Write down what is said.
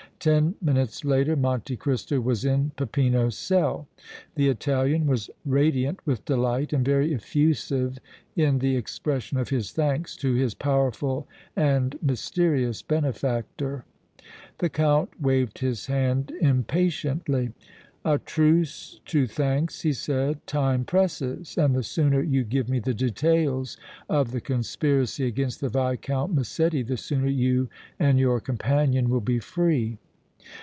Ten minutes later Monte Cristo was in Peppino's cell. The Italian was radiant with delight and very effusive in the expression of his thanks to his powerful and mysterious benefactor. The Count waved his hand impatiently. "A truce to thanks," he said. "Time presses, and the sooner you give me the details of the conspiracy against the Viscount Massetti the sooner you and your companion will be free."